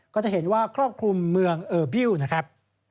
ก็จะเห็นว่าครอบคลุมเมืองเออร์บิลนะครับ